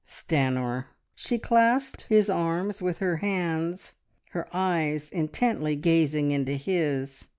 Stanor!" She clasped his arms with her hands, her eyes intently gazing into his.